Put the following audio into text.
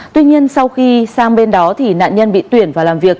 tuy nhiên sau khi sang bên đó nạn nhân bị tuyển và làm việc